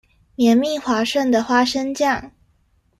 綿密滑順的花生醬